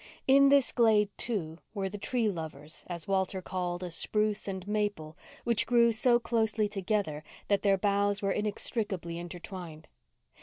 In this glade, too, were the "Tree Lovers," as Walter called a spruce and maple which grew so closely together that their boughs were inextricably intertwined.